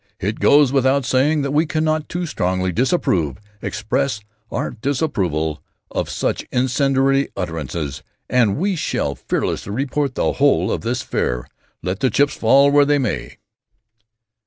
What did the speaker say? It goes without saying that we cannot too strongly disapprove express our disapproval of such incendiary utterances and we shall fearlessly report the whole of this fair let the chips fall where they may.